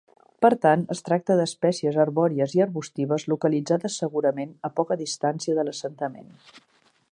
Per tant, es tracta d’espècies arbòries i arbustives localitzades segurament a poca distància de l’assentament.